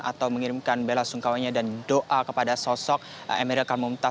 atau mengirimkan bela sungkawanya dan doa kepada sosok emeril khan mumtaz